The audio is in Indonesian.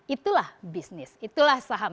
itulah bisnis itulah saham